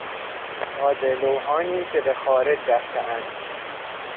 ساده لوحانی که به خارج رفتهاند